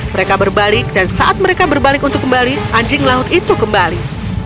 mereka berbalik dan saat mereka berbalik untuk kembali anjing laut itu kembali